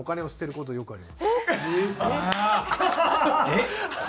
えっ！